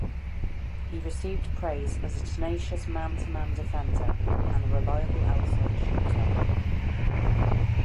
He received praise as a tenacious man-to-man defender, and a reliable outside shooter.